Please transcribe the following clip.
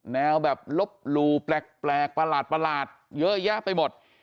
แนวแบบลบหลู่แปลกประหลาดเยอะแยะไปหมด